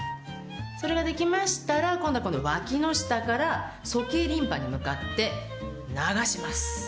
それができましたら今度は脇の下から鼠径リンパに向かって流します。